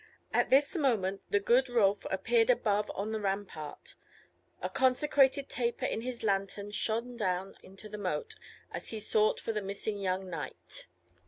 At this moment the good Rolf appeared above on the rampart; a consecrated taper in his lantern shone down into the moat, as he sought for the missing young knight.